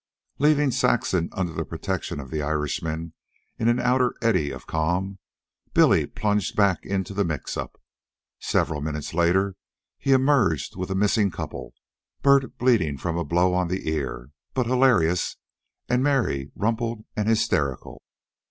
Leaving Saxon under the protection of the Irishman in an outer eddy of calm, Billy plunged back into the mix up. Several minutes later he emerged with the missing couple Bert bleeding from a blow on the ear, but hilarious, and Mary rumpled and hysterical.